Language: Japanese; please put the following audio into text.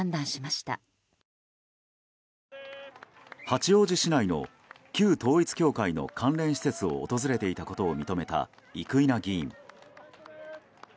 八王子市内の旧統一教会の関連施設を訪れていたことを認めた生稲議員。